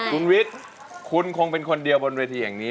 คุณวิทย์คุณคงเป็นคนเดียวบนเวทีแห่งนี้